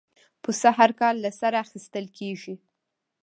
پسه هر کال له سره اخېستل کېږي.